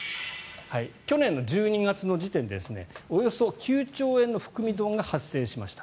去年の１２月の時点でおよそ９兆円の含み損が発生しました。